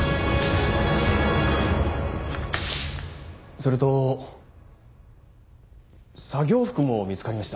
それと作業服も見つかりました。